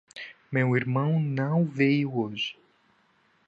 Meu irmão não veio hoje.